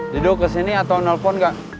dido kesini atau nelfon gak